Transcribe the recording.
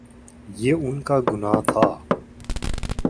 یہ ان کا گناہ تھا۔